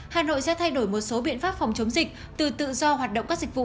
hà nội sẽ thay đổi một số biện pháp phòng chống dịch từ tự do hoạt động các dịch vụ